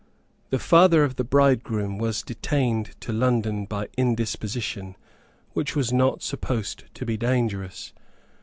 The father of the bridegroom was detained to London by indisposition, which was not supposed to be dangerous.